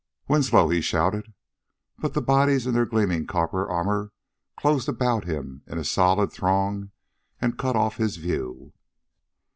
"Winslow!" he shouted. But the bodies in their gleaming copper armor closed about him in a solid throng and cut off his view.